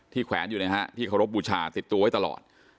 แขวนอยู่นะฮะที่เคารพบูชาติดตัวไว้ตลอด